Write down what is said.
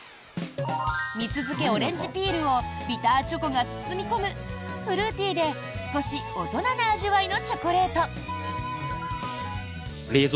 蜜漬けオレンジピールをビターチョコが包み込むフルーティーで少し大人な味わいのチョコレート。